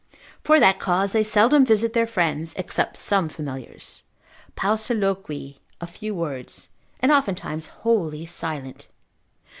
For that cause they seldom visit their friends, except some familiars: pauciloqui, of few words, and oftentimes wholly silent.